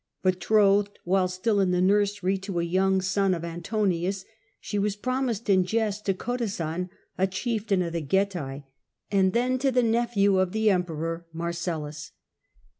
Betrothed while still in the nursery to a young son of Antonius, she was promised in jest to Cotison, a chieftain of the Getae, and then to the — A.i>. 14. Attgmttts, 31 nephew of the Emperor, Marcellus.